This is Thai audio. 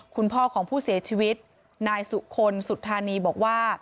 คุณพ่อของผู้เสียชีวิตนายสุคลสุธานีบอกว่า